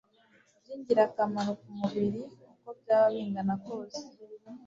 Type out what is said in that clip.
byingirakamaro ku mubiri uko byaba bingana kose